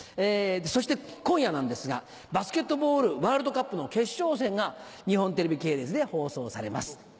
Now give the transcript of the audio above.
そして今夜なんですがバスケットボールワールドカップの決勝戦が日本テレビ系列で放送されます。